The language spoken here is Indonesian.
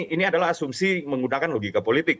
ini adalah asumsi menggunakan logika politik